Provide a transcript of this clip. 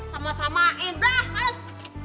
sama sama endah harus